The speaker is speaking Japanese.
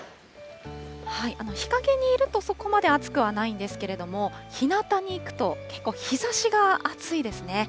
日陰にいるとそこまで暑くはないんですけれども、ひなたに行くと、結構、日ざしが暑いですね。